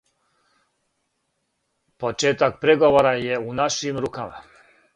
Почетак преговора је у нашим рукама...